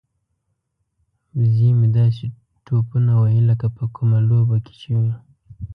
وزه مې داسې ټوپونه وهي لکه په کومه لوبه کې چې وي.